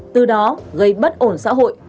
từ đó gây bất ổn xã hội